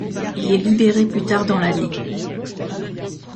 Il est libéré plus tard dans l'année.